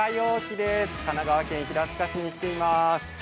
神奈川県平塚市に来ています。